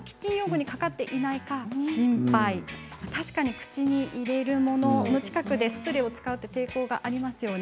口に入れるものの近くでスプレーを使うって抵抗がありますよね。